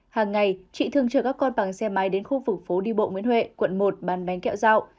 hàng ngày chị thường chờ các con bằng xe máy đến khu vực phố đi bộ nguyễn huệ quận một bán bánh kẹo rau